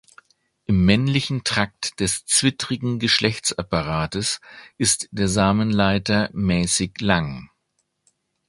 Im männlichen Trakt des zwittrigen Geschlechtsapparates ist der Samenleiter mäßig lang.